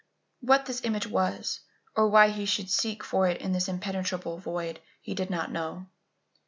What this image was and why he should seek for it in this impenetrable void, he did not know.